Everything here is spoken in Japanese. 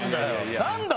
何だ？